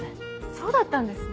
そうだったんですね。